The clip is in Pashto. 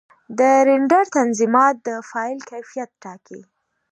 د رېنډر تنظیمات د فایل کیفیت ټاکي.